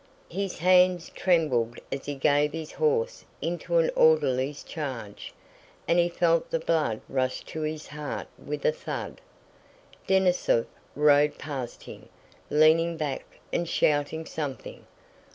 His hand trembled as he gave his horse into an orderly's charge, and he felt the blood rush to his heart with a thud. Denísov rode past him, leaning back and shouting something.